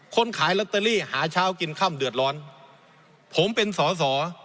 ขายลอตเตอรี่หาเช้ากินค่ำเดือดร้อนผมเป็นสอสอ